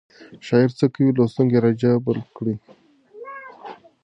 شاعر هڅه کوي لوستونکی راجلب کړي.